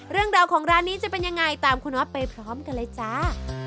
เรื่องราวของร้านนี้จะเป็นยังไงตามคุณนอทไปพร้อมกันเลยจ้า